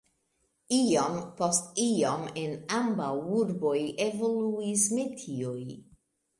Iom post iom en ambaŭ urboj evoluis metioj.